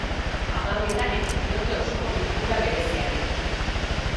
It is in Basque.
Hamabietan ekin diote osoko bilkura bereziari.